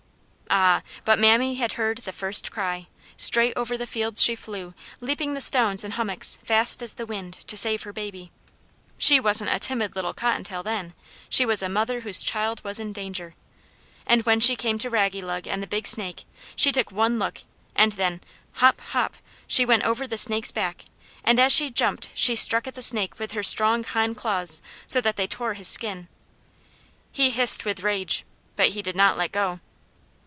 Ah, but Mammy had heard the first cry. Straight over the fields she flew, leaping the stones and hummocks, fast as the wind, to save her baby. She wasn't a timid little cottontail rabbit then; she was a mother whose child was in danger. And when she came to Raggylug and the big snake, she took one look, and then hop! hop! she went over the snake's back; and as she jumped she struck at the snake with her strong hind claws so that they tore his skin. He hissed with rage, but he did not let go.